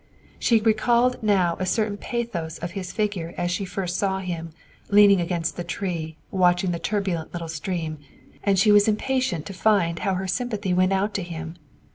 She recalled now a certain pathos of his figure as she first saw him leaning against the tree watching the turbulent little stream, and she was impatient to find how her sympathy went out to him.